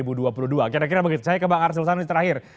kira kira begitu saya ke bang arsul sani terakhir